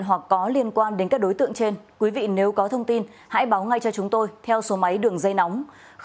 hoặc có liên quan đến các đối tượng trên quý vị nếu có thông tin hãy báo ngay cho chúng tôi theo số máy đường dây nóng